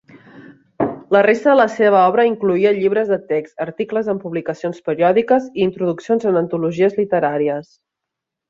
La resta de la seva obra incloïa llibres de text, articles en publicacions periòdiques i introduccions en antologies literàries.